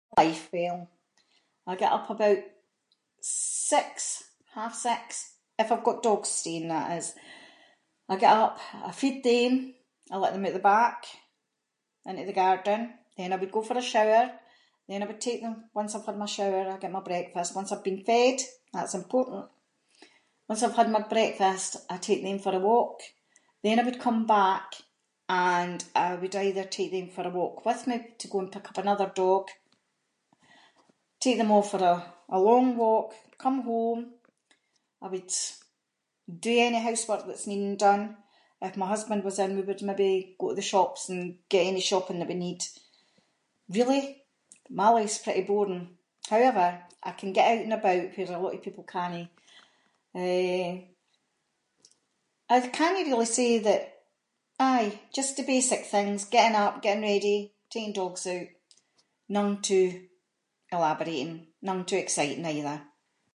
Life, well, I get up about six, half-six, if I’ve got dogs staying that is. I get up, I feed them, I let them oot the back, into the garden, then I would go for a shower, then I would take them- once I’ve had my shower and I get my breakfast, once I’ve been fed, that’s important, once I’ve had my breakfast I’d take them for a walk, then I would come back, and I would either take them for a walk with me to go and pick up another dog, take them all for a long walk, come home, I would do any house work that’s needing done. If my husband was in we would maybe go to the shops and get any shopping that we need. Really, my life’s pretty boring. However, I can get out and about, where a lot of people cannae, eh, I cannae really say that- aye, just the basic things. Getting up, getting ready, taking dogs out, nothing too elaborating, nothing too exciting either.